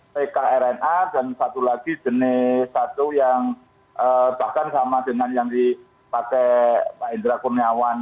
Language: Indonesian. pkrna dan satu lagi jenis satu yang bahkan sama dengan yang dipakai pak indra kurniawan